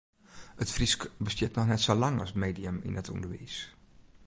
It Frysk bestiet noch net sa lang as medium yn it ûnderwiis.